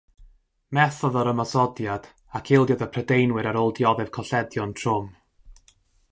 Methodd yr ymosodiad ac ildiodd y Prydeinwyr ar ôl dioddef colledion trwm.